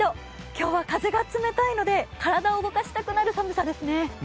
今日は風が冷たいので体を動かしたくなる寒さですね。